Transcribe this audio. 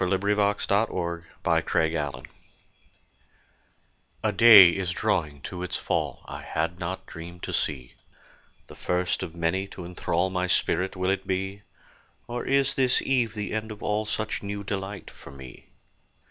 FIRST SIGHT OF HER AND AFTER A DAY is drawing to its fall I had not dreamed to see; The first of many to enthrall My spirit, will it be? Or is this eve the end of all Such new delight for me?